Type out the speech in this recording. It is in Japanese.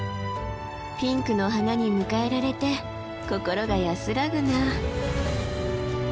ピンクの花に迎えられて心が安らぐなあ。